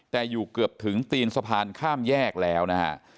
แต่อยู่เกือบถึงตีนสะพานข้ามแยกแล้วนะฮะ